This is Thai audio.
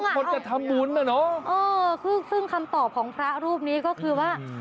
คนจะทำบุญน่ะเนอะเออซึ่งซึ่งคำตอบของพระรูปนี้ก็คือว่า